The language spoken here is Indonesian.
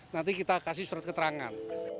nanti kita kasih surat keterangan